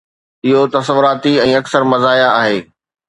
اهو تصوراتي ۽ اڪثر مزاحيه آهي